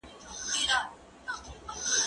زه پرون سبزیجات تياروم وم،